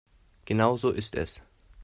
Genau so ist es.